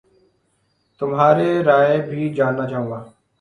تمہاری رائے بھی جاننا چاہوں گا